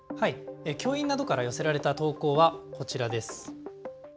教員などから寄せられた投稿はこちらです。